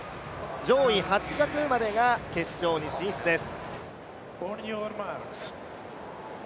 上位８着までが決勝に進出です。